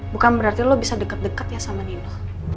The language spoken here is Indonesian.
bukan berarti lo bisa deket deket ya sama nino